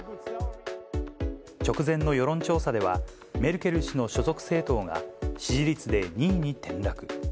直前の世論調査では、メルケル氏の所属政党が支持率で２位に転落。